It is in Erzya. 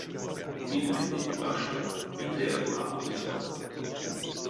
Видьметнеде башка мезеяк ламо эзь кадово.